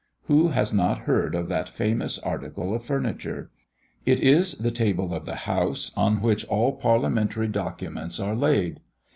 Who has not heard of that famous article of furniture? It is the table of the House, on which all parliamentary documents are laid.